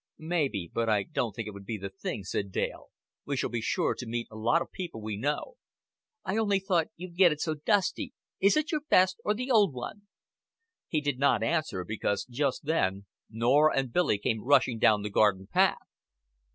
"May be but I don't think it would be the thing," said Dale. "We shall be sure to meet a lot of people we know." "I only thought you'd get it so dusty. Is it your best or the old one?" He did not answer, because just then Norah and Billy came rushing down the garden path.